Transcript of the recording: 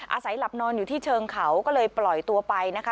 อาศัยหลับนอนอยู่ที่เชิงเขาก็เลยปล่อยตัวไปนะคะ